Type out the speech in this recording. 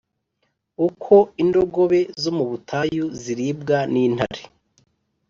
Uko indogobe zo mu butayu ziribwa n’intare,